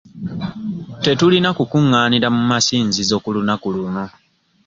Tetulina kukungaanira mu masinzizo ku lunaku luno.